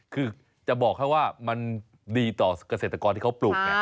คือจะบอกให้ว่ามันดีต่อเกษตรกรที่เขาปลูกไง